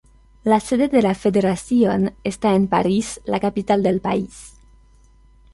La sede de la federación está en París, la capital del país.